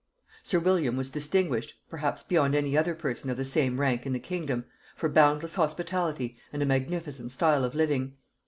Sir William was distinguished, perhaps beyond any other person of the same rank in the kingdom, for boundless hospitality and a magnificent style of living.